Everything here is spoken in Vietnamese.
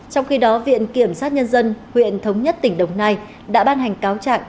trong khi đó viện kiểm sát nhân dân huyện thống nhất tỉnh đồng nai đã ban hành cáo trạng